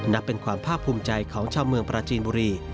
นับเป็นความภาคภูมิใจของชาวเมืองปราจีนบุรี